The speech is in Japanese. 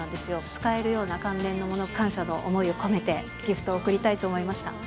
使えるような関連のものを感謝の思いを込めてギフトを贈りたいと思いました。